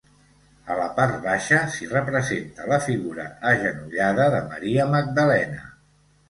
A la part baixa s'hi representa la figura agenollada de Maria Magdalena.